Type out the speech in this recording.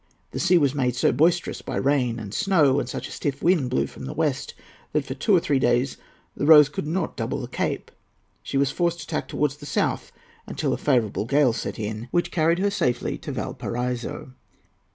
The sea was made so boisterous by rain and snow, and such a stiff wind blew from the west, that for two or three days the Rose could not double the Cape. She was forced to tack towards the south until a favourable gale set in, which carried her safely to Valparaiso.